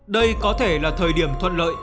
đây có thể là thời điểm thuận lợi